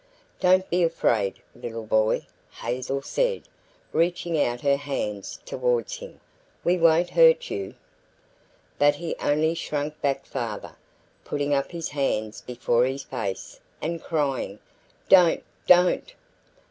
"Don't be afraid, little boy," Hazel said, reaching out her hands toward him. "We won't hurt you." But he only shrank back farther, putting up his hands before his face and crying, "Don't, don't!"